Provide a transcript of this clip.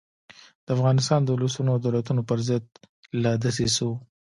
د افغانستان د اولسونو او دولتونو پر ضد له دسیسو.